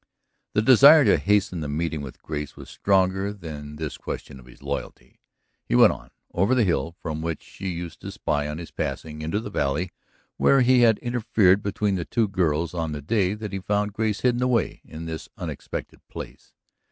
The desire to hasten the meeting with Grace was stronger than this question of his loyalty. He went on, over the hill from which she used to spy on his passing, into the valley where he had interfered between the two girls on the day that he found Grace hidden away in this unexpected place.